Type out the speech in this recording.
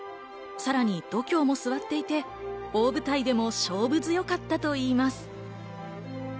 さらに度胸も座っていて、舞台でも勝負強かったといいます。